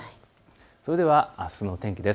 それではあすの天気です。